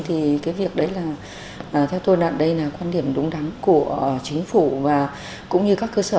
thì cái việc đấy là theo tôi đoạn đây là quan điểm đúng đắn của chính phủ và cũng như các cơ sở